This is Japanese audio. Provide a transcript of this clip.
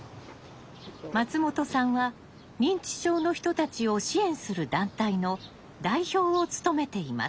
松本さんは認知症の人たちを支援する団体の代表を務めています。